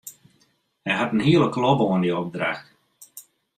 Hy hat in hiele klobbe oan dy opdracht.